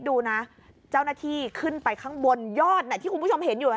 ดูนะเจ้าหน้าที่ขึ้นไปข้างบนยอดที่คุณผู้ชมเห็นอยู่